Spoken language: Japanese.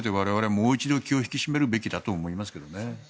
もう一度気を引き締めるべきだと思いますけどね。